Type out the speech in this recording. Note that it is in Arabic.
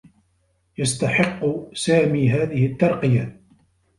يستحقّ سامي هذه التّرقية.